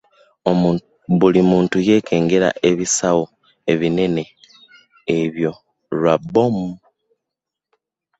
Buli muntu yeekengera ebisawo ebinene ebyo lwa bbomu.